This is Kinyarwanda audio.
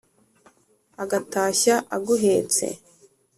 Agatashya aguhetse